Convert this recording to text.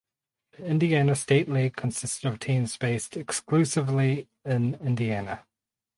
The Indiana State League consisted of teams based exclusively in Indiana.